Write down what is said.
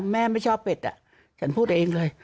แม่ไม่ชอบเป็ดฉันพูดเองเลย